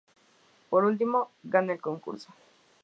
Por último, gana el concurso.